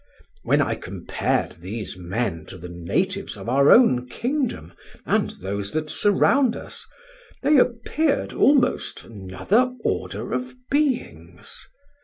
When I compared these men with the natives of our own kingdom and those that surround us, they appeared almost another order of beings.